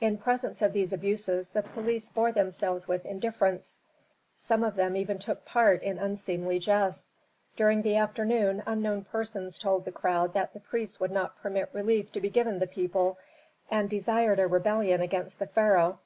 In presence of these abuses the police bore themselves with indifference, some of them even took part in unseemly jests. During the afternoon unknown persons told the crowd that the priests would not permit relief to be given the people and desired a rebellion against the pharaoh.